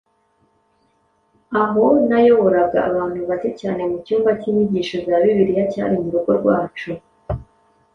aho nayoboraga abantu bake cyane mu cyumba cy’inyigisho za Bibiliya cyari mu rugo rwacu,